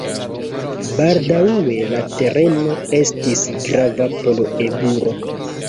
Baldaŭe la tereno estis grava por eburo.